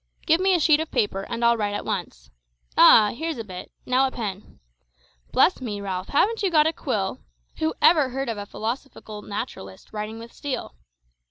Give me a sheet of paper and I'll write at once. Ah! here's a bit; now a pen. Bless me, Ralph, haven't you got a quill? Who ever heard of a philosophical naturalist writing with steel.